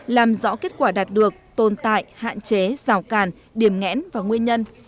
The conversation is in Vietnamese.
làm rõ kết quả đạt được tồn tại hạn chế rào càn điểm ngẽn và nguyên nhân